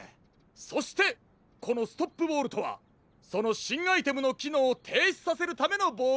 そしてこのストップボールとはそのしんアイテムのきのうをていしさせるためのボールなのです。